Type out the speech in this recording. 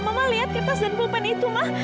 mama lihat kertas dan bolpen itu ma